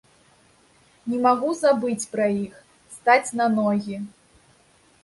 Не магу забыць пра іх, стаць на ногі.